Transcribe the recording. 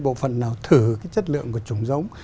bộ phận nào thử cái chất lượng của chủng giống